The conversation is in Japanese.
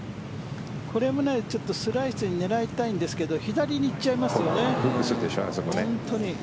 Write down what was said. これもスライスに狙いたいんですけど左に行っちゃいますよね。